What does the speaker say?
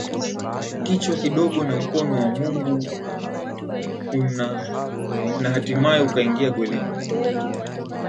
Kichwa kidogo na mkono wa Mung una hatimae ukaingia golini